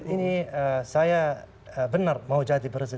ini saya benar mau jadi presiden